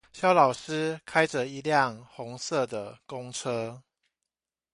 蕭老師開著一輛紅色的公車